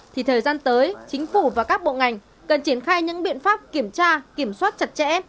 thì thời gian tới chính phủ và các bộ ngành cần triển khai những biện pháp kiểm tra kiểm soát chặt chẽ